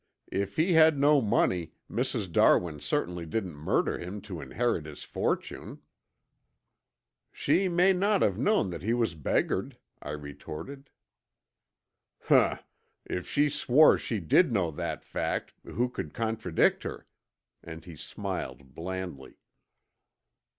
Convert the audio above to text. If he had no money Mrs. Darwin certainly didn't murder him to inherit his fortune." "She may not have known that he was beggared," I retorted. "Humph! If she swore she did know that fact, who could contradict her?" and he smiled blandly.